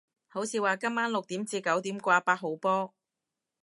好似話今晚六點至九點掛八號波